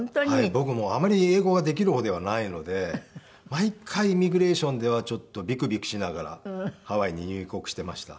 僕もあまり英語ができる方ではないので毎回イミグレーションではちょっとビクビクしながらハワイに入国していました。